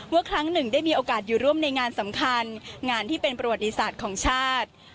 ครั้งหนึ่งได้มีโอกาสอยู่ร่วมในงานสำคัญงานที่เป็นประวัติศาสตร์ของชาติ